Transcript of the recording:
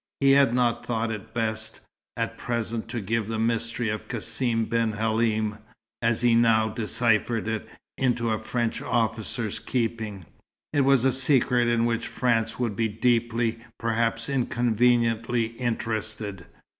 He had not thought it best, at present, to give the mystery of Cassim ben Halim, as he now deciphered it, into a French officer's keeping. It was a secret in which France would be deeply, perhaps inconveniently, interested.